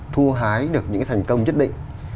thu hái được những thành công nhất định